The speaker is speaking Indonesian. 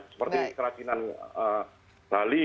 seperti kerajinan bali